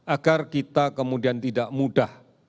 agar kita kemudian tidak mudah